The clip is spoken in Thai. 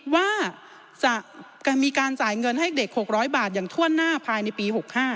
ว่าจะมีการจ่ายเงินให้เด็ก๖๐๐บาทอย่างถ้วนหน้าภายในปี๖๕